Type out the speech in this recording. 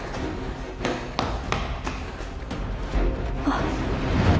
あっ。